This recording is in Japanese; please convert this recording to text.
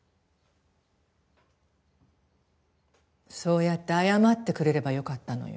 そうやって謝ってくれればよかったのよ。